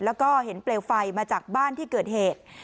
แล้วก็เห็นเปลวไฟมาจากบ้านที่เกิดเหตุ